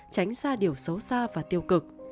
tránh ra điều xấu xa và tiêu cực